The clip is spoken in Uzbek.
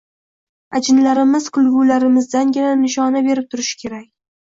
Ajinlarimiz kulgularimizdangina nishona berib turishi kerak.